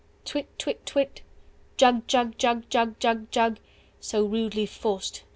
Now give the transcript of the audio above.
Twit twit twit Jug jug jug jug jug jug So rudely forc'd.